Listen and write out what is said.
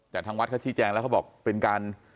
แต่ทางวัดเขาชี้แจงแล้วเขาบอกเป็นการ